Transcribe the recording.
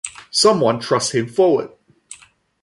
Someone thrust him forward.